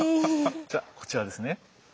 じゃあこちらですね。